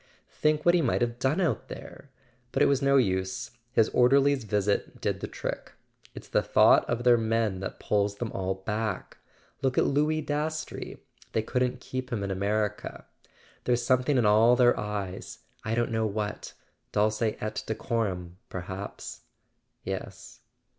Think what he might have done out there! But it was no use. His orderly's visit did the trick. It's the thought of their men that pulls them all back. Look at Louis Dastrey—they couldn't keep him in America. There's something in all their eyes: I don't know what. Dulce et decorum , perhaps " "Yes."